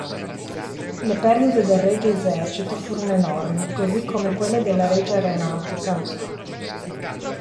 Le perdite del Regio Esercito furono enormi, così come quelle della Regia Aeronautica.